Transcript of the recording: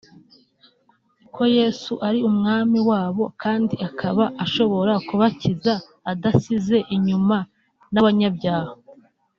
ko Yesu ari Umwami wabo kandi akaba ashobora kubakiza adasize inyuma n’abanyabyaha